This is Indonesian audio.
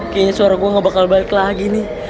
kayaknya suara gue gak bakal baik lagi nih